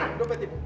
yang salah kamu